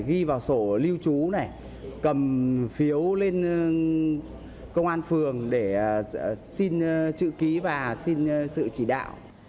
ghi vào sổ lưu trú này cầm phiếu lên công an phường để xin chữ ký và xin sự chỉ đạo